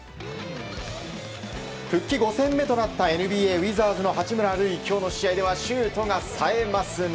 復帰５戦目となったＮＢＡウィザーズの八村塁、今日の試合ではシュートが冴えます。